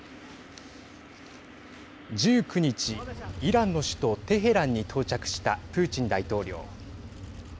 １９日イランの首都テヘランに到着したプーチン大統領。